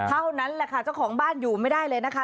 เท่านั้นแหละค่ะเจ้าของบ้านอยู่ไม่ได้เลยนะคะ